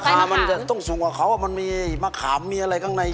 ผมว่าราคามันจะต้องสูงกว่าเขามันมีมะขามมีอะไรข้างในอยู่